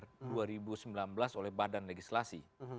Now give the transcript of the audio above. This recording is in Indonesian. pada tahun dua ribu sepuluh di depan perusahaan yang diperoleh oleh badan legislasi